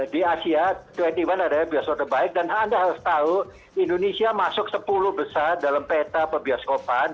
di asia dua puluh satu adalah bioskop terbaik dan anda harus tahu indonesia masuk sepuluh besar dalam peta pebiaskopan